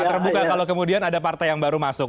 terbuka kalau kemudian ada partai yang baru masuk